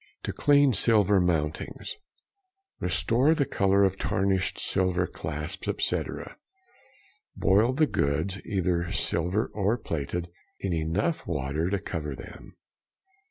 To clean silver mountings.—To restore the colour of tarnished silver clasps, etc., boil the goods, either silver or plated, in enough water to cover them.